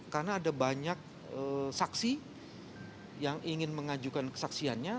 karena ada banyak saksi yang ingin mengajukan kesaksiannya